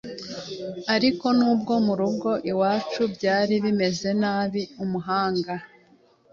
Ariko nubwo mu rugo iwacu byari bimeze nari umuhanga